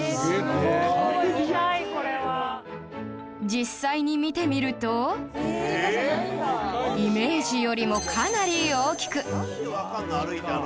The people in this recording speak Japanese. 実際に見てみるとイメージよりもかなり大きく